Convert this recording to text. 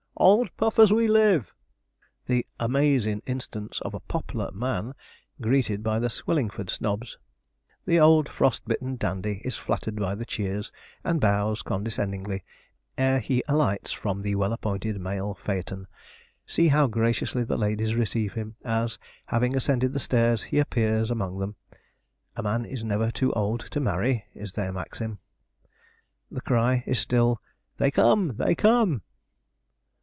Old Puff as we live! The 'amazin' instance of a pop'lar man' greeted by the Swillingford snobs. The old frost bitten dandy is flattered by the cheers, and bows condescendingly ere he alights from the well appointed mail phaeton. See how graciously the ladies receive him, as, having ascended the stairs, he appears among them. 'A man is never too old to marry' is their maxim. The cry is still, 'They come! they come!'